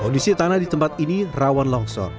kondisi tanah di tempat ini rawan longsor